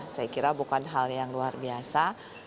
saya kira bukan hal yang luar biasa